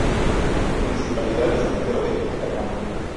Municipalidad de San Pedro de Atacama.